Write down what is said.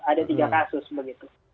ada tiga kasus begitu